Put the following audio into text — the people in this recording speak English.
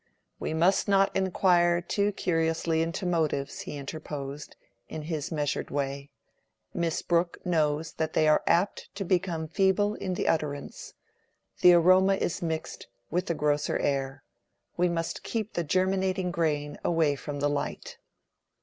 "We must not inquire too curiously into motives," he interposed, in his measured way. "Miss Brooke knows that they are apt to become feeble in the utterance: the aroma is mixed with the grosser air. We must keep the germinating grain away from the light."